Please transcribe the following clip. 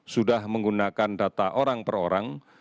sudah menggunakan data orang per orang